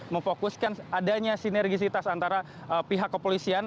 memfokuskan adanya sinergisitas antara pihak kepolisian